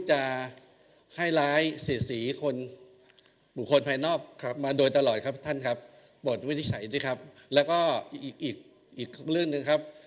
จริงครับและก็อีกเรื่องหนึ่งครับ